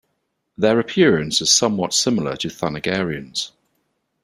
Their appearance is somewhat similar to Thanagarians.